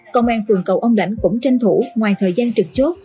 công an phường cầu âm đảnh cũng tranh thủ ngoài thời gian trực chốt